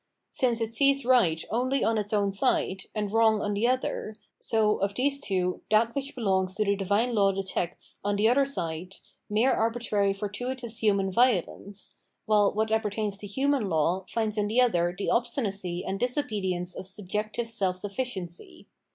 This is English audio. Since it sees right only on its own side, and wrong on the other, so, of these two, that which belongs to divine law detects, on the other side, mere arbitrary fortuitous human violence, while what appertains to human law, finds in the other the obstinacy and disobedience of subjective self sufl&ciency.